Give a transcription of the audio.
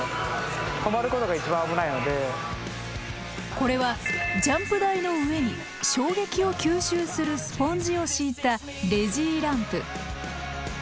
これはジャンプ台の上に衝撃を吸収するスポンジを敷いたレジーランプ。